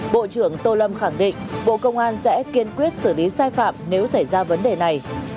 bộ trưởng tô lâm khẳng định bộ công an sẽ kiên quyết xử lý sai phạm nếu xảy ra vấn đề này